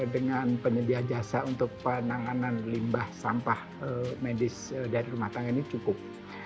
dengan penyedia jasa untuk penanganan limbah sampah medis dari rumah tangga ini cukup